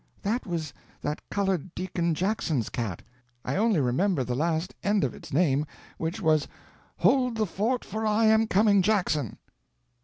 "That was that colored Deacon Jackson's cat. I only remember the last end of its name, which was Hold The Fort For I Am Coming Jackson."